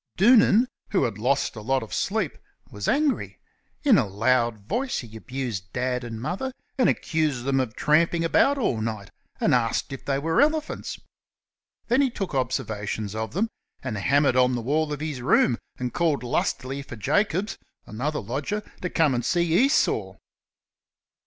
Doonan, who had lost a lot of sleep, was angry. In a loud voice he abused Dad and Mother, and accused them of tramping about all night, and asked if they were elephants. Then he took observations of them, and hammered on the wall of his room, and called lustily for Jacobs, another lodger, to come and see Esau.